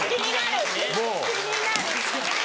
気になる。